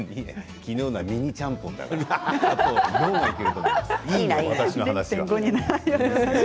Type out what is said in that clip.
昨日のはミニちゃんぽんだから。